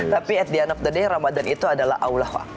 tapi at the end of the day ramadhan itu adalah allah